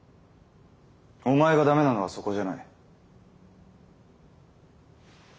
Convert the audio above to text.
お前が駄目なのはそこじゃない。